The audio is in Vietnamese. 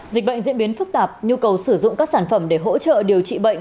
dịch bệnh diễn biến phức tạp nhu cầu sử dụng các sản phẩm để hỗ trợ điều trị bệnh